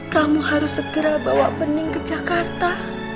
kamu harus segera bawa bening ke jakarta